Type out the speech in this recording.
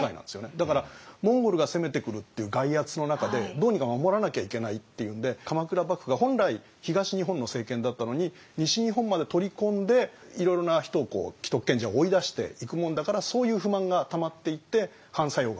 だからモンゴルが攻めてくるっていう外圧の中でどうにか守らなきゃいけないっていうんで鎌倉幕府が本来東日本の政権だったのに西日本まで取り込んでいろいろな人を既得権者を追い出していくもんだからそういう不満がたまっていって反作用が起こるっていう。